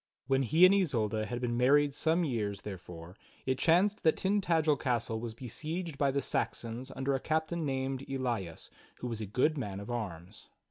When he and Isolda had been married some years, therefore, it chanced that Tintagel castle was besieged by the Saxons under a captain named Elias who was a good man of arms.